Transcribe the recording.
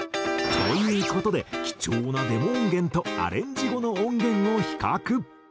という事で貴重なデモ音源とアレンジ後の音源を比較。